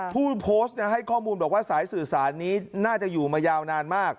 ผู้โพสต์ให้ข้อมูลบอกว่าสายสื่อสารนี้น่าจะอยู่มายาวนานมาก